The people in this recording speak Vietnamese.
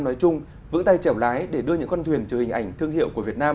việt nam nói chung vững tay chèo lái để đưa những con thuyền trừ hình ảnh thương hiệu của việt nam